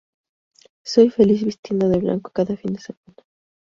Soy feliz vistiendo de blanco cada fin de semana".